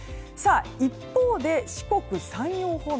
一方で、四国・山陽方面。